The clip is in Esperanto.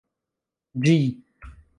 ĝi